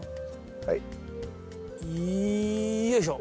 はい。よいしょ。